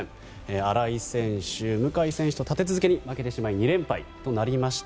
新井選手、向選手と立て続けに負けてしまい２連敗となりました。